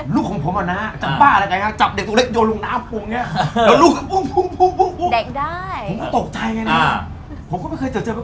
ลูกของผมอ่ะนะจับบ้าอะไรกันครับจับเด็กตัวเล็กโยนลงน้ำปุ่งอย่างเนี้ย